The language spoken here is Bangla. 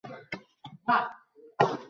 এই বলিয়া গোরা ঘর হইতে বাহির হইয়া গেল।